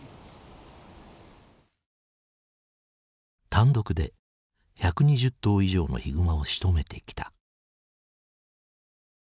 単独で１２０頭以上のヒグマをしとめてきた。